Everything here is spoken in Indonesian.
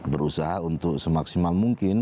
berusaha untuk semaksimal mungkin